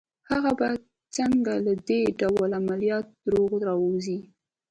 هغه به څنګه له دې ډول عملياته روغ را ووځي